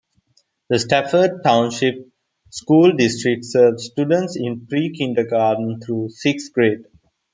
The Stafford Township School District serves students in pre-kindergarten through sixth grade.